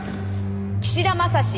岸田征史。